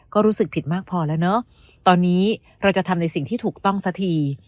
ก็รู้สึกผิดมากพอแล้วเนอะตอนนี้เราจะทำในสิ่งที่ถูกต้องสักที